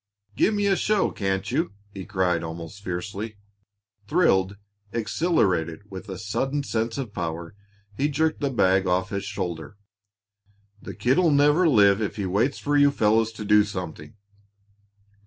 "Give me a show, can't you?" he cried almost fiercely. Thrilled, exhilarated with a sudden sense of power, he jerked the bag off his shoulder. "The kid'll never live if he waits for you fellows to do something."